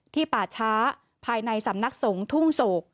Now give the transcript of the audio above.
ป่าช้าภายในสำนักสงฆ์ทุ่งโศก